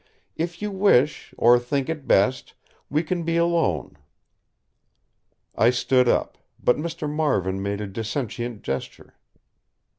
If you wish, or think it best, we can be alone." I stood up; but Mr. Marvin made a dissentient gesture.